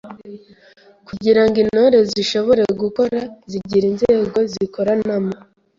Kugira ngo intore zishobore gukora zigira inzego zikoreramo,